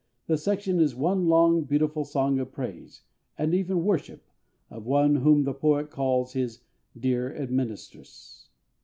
The section is one long, beautiful song of praise, and even worship, of one whom the poet calls his "dear administress."